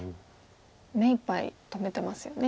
目いっぱい止めてますよね。